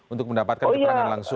untuk mendapatkan keperangan